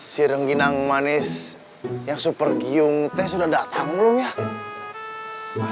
si rengginang manis yang super giyung teh sudah datang belum ya